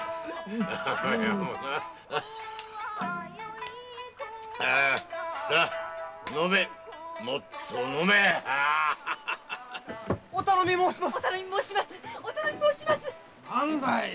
〔お頼み申します！〕